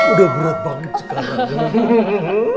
udah berat banget sekarang